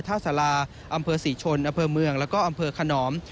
สาราอำเภอศรีชนอำเภอเมืองแล้วก็อำเภอขนอม